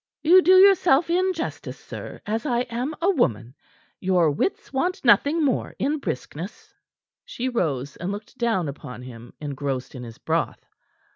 "You do yourself injustice, sir, as I am a woman. Your wits want nothing more in briskness." She rose, and looked down upon him engrossed in his broth.